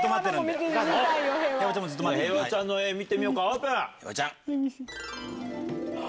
平和ちゃんの絵見てみようかオープン！